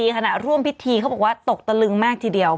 ขณะร่วมพิธีเขาบอกว่าตกตะลึงมากทีเดียว